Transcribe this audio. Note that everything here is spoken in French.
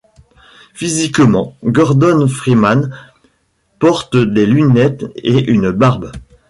Physiquement, Gordon Freeman porte des lunettes et une barbe.